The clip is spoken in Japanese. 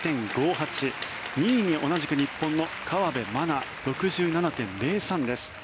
位に同じく日本の河辺愛菜６７．０３です。